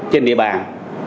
trên địa bàn